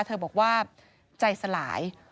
เธอบอกว่าใจสลาย